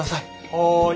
はい。